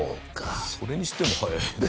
それにしても速いよね。